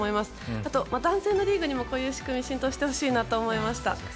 あと、男性リーグにもこういう仕組みが浸透してほしいと思いました。